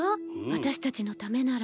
私たちのためなら。